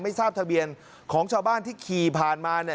ไม่ทราบทะเบียนของชาวบ้านที่ขี่ผ่านมา